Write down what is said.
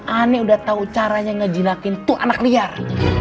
ana udah tau caranya ngejinakin tuh anak liar